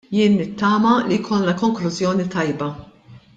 Jien nittama li jkollna konklużjoni tajba.